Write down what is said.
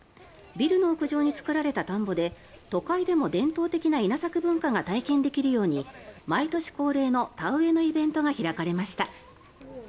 ビルの屋上に作られた田んぼで都会でも伝統的な稲作文化が体験できるように毎年恒例の田植えのイベントが開かれました。